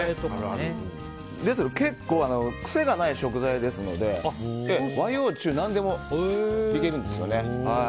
ですが、結構癖がない食材ですので和洋中なんでもいけるんですよね。